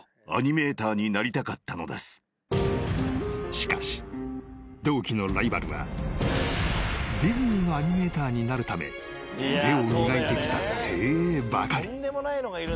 ［しかし同期のライバルはディズニーのアニメーターになるため腕を磨いてきた精鋭ばかり］